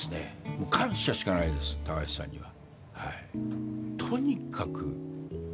もう感謝しかないです高橋さんには。